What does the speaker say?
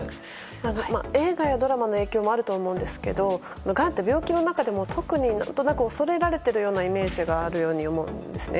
映画やドラマの影響もあると思うんですけれどもがんって病気の中でも特に恐れられているようなイメージがあるように思うんですね。